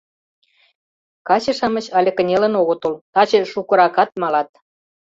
Каче-шамыч але кынелын огытыл, таче шукыракат малат.